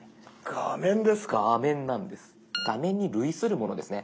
画面に類するものですね。